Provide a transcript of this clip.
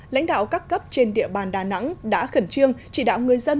lãnh đạo các cấp trên địa bàn đà nẵng đã khẩn truyền